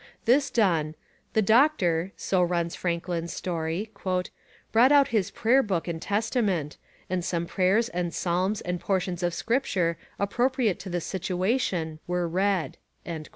This done, 'the doctor,' so runs Franklin's story, 'brought out his prayer book and testament, and some prayers and psalms and portions of scripture appropriate to the situation were read.'